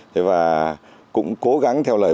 thế và cũng cố gắng theo lời